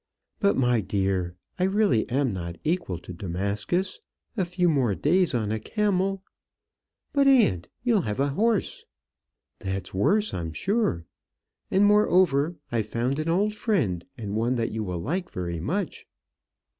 "But, my dear, I really am not equal to Damascus. A few more days on a camel " "But, aunt, you'll have a horse." "That's worse, I'm sure. And, moreover, I've found an old friend, and one that you will like very much."